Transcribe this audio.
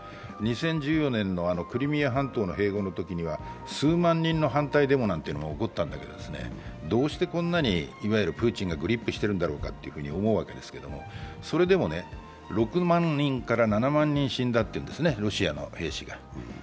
２０１４年のクリミア半島の併合のときには数万人の反対デモなんてのが起こったんだけどどうしてこんなにプーチンがグリップしてるんだろうかと思うわけですが、それでも６万人から７万人死んだというんですね、ロシアの兵士が。